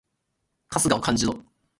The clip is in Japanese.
春日を感じろ！